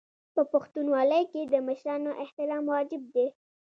په پښتونولۍ کې د مشرانو احترام واجب دی.